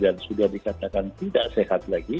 dan sudah dikatakan tidak sehat lagi